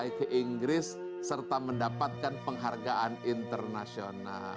saya ke inggris serta mendapatkan penghargaan internasional